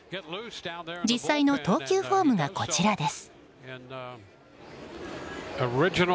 実際の投球フォームがこちらです。